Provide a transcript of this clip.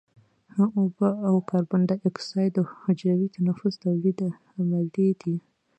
اوبه او کاربن دای اکساید د حجروي تنفس تولیدي عملیې دي.